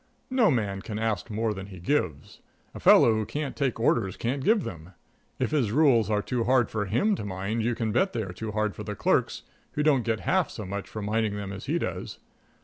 No man can ask more than he gives. A fellow who can't take orders can't give them. If his rules are too hard for him to mind, you can bet they are too hard for the clerks who don't get half so much for minding them as he does.